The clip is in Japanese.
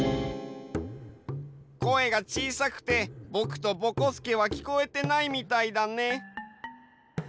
声がちいさくてぼくとぼこすけはきこえてないみたいだね。